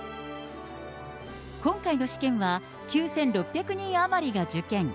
今回の試験は、９６００人余りが受験。